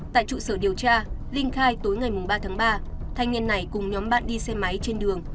tại trụ sở điều tra linh khai tối ngày ba tháng ba thanh niên này cùng nhóm bạn đi xe máy trên đường